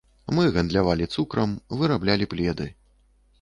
Мы гандлявалі цукрам, выраблялі пледы.